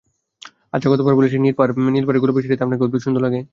আচ্ছা, কতবার বলেছি নীল পাড়ের গোলাপি শাড়িতে আপনাকে অদ্ভুত সুন্দর লাগে।